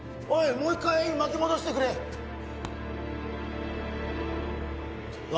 もう一回巻き戻してくれあ